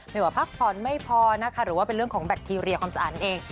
ไม่ว่าพักผ่อนไม่พอนะคะหรือว่าเป็นเรื่องของแบคทีเรียความสะอาดนั่นเอง